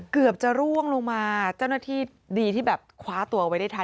เกือบจะร่วงลงมาเจ้าหน้าที่ดีที่แบบคว้าตัวไว้ได้ทัน